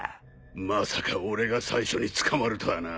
まさか俺が最初に捕まるとはな。